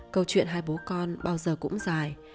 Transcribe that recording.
câu chuyện hai bố con bao giờ cũng dài